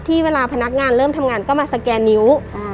เวลาพนักงานเริ่มทำงานก็มาสแกนนิ้ว